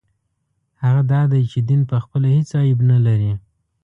هغه دا دی چې دین پخپله هېڅ عیب نه لري.